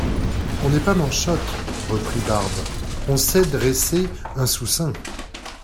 On n'est pas manchote, reprit Barbe, on sait dresser un sous-seing.